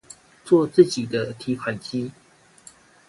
做自己的提款機